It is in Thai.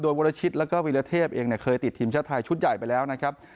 วรชิตแล้วก็วิรเทพเองเคยติดทีมชาติไทยชุดใหญ่ไปแล้วนะครับ